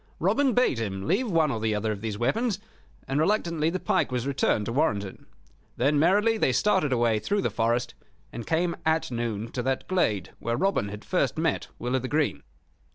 Robin bade him leave one or the other of these weapons, and reluctantly the pike was returned to Warrenton. Then merrily they started away through the forest, and came at noon to that glade where Robin had first met Will o' th' Green.